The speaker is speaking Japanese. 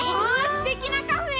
すてきなカフェ！